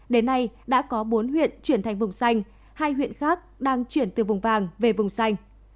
đến nay đã có bốn huyện chuyển thành vùng xanh hai huyện khác đang chuyển từ vùng vàng về vùng xanh